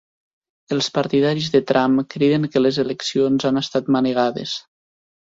Els partidaris de Trump criden que les eleccions han estat manegades.